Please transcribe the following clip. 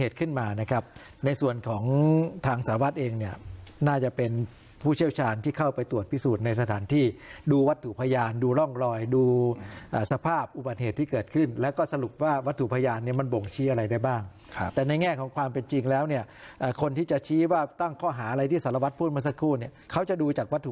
ขึ้นมานะครับในส่วนของทางสารวัตรเองเนี่ยน่าจะเป็นผู้เชี่ยวชาญที่เข้าไปตรวจพิสูจน์ในสถานที่ดูวัตถุพยานดูร่องรอยดูสภาพอุบัติเหตุที่เกิดขึ้นแล้วก็สรุปว่าวัตถุพยานเนี่ยมันบ่งชี้อะไรได้บ้างครับแต่ในแง่ของความเป็นจริงแล้วเนี่ยคนที่จะชี้ว่าตั้งข้อหาอะไรที่สารวัตรพูดมาสักครู่เนี่ยเขาจะดูจากวัตถุ